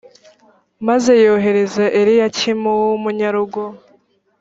maze yohereza eliyakimu w umunyarugo